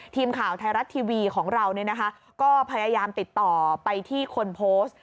ทีมข่าวไทยรัฐทีวีของเราก็พยายามติดต่อไปที่คนโพสต์